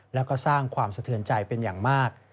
แล้วก็สร้างความสะเทือนใจเป็นอย่างมาก